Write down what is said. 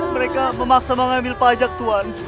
mereka memaksa mengambil pajak tuhan